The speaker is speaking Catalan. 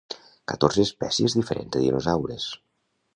Catorze espècies diferents de dinosaures.